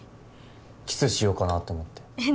キスしようかなと思ってえっ